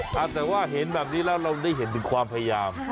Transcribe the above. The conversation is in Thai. มันเห็นแบบนี้แล้วจะทินความพยายาม